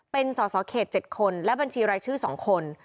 เป็นสอสอเขต๗คนและบัญชีรายชื่อ๒คน